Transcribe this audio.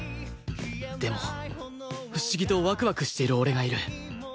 でも不思議とワクワクしてる俺がいる